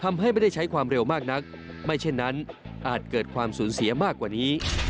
อาจเกิดความสูญเสียมากกว่านี้